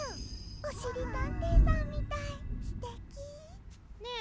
おしりたんていさんみたいすてき。ねえ